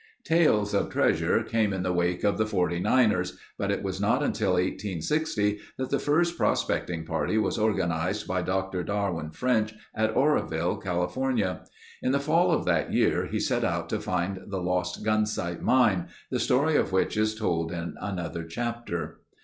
Tales of treasure came in the wake of the Forty Niners but it was not until 1860 that the first prospecting party was organized by Dr. Darwin French at Oroville, California. In the fall of that year he set out to find the Lost Gunsight mine, the story of which is told in another chapter.